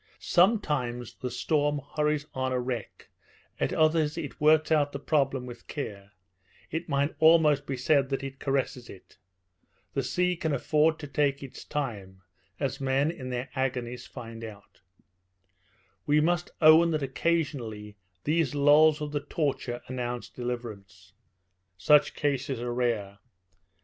Sometimes the storm hurries on a wreck, at others it works out the problem with care; it might almost be said that it caresses it. The sea can afford to take its time, as men in their agonies find out. We must own that occasionally these lulls of the torture announce deliverance. Such cases are rare.